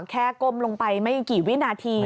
ก้มลงไปไม่กี่วินาที